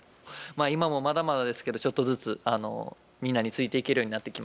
今もまだまだですけどちょっとずつみんなについていけるようになってきました。